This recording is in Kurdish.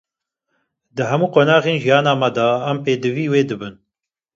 Di hemû qonaxên jiyana me de, em pêdivî wê dibin.